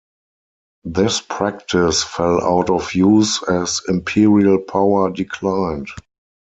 This practice fell out of use as imperial power declined.